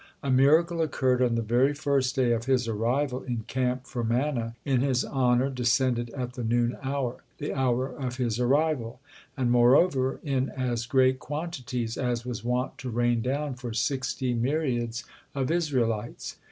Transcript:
A miracle occurred on the very first day of his arrival in camp for manna in his honor descended at the noon hour, the hour of his arrival; and, moreover, in as great quantities as was wont to rain down for sixty myriads of Israelites.